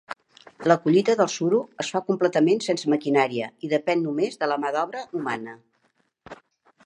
La collita del suro es fa completament sense maquinària i depèn només de la mà d'obra humana.